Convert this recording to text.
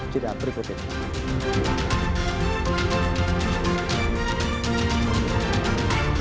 cinta berikut ini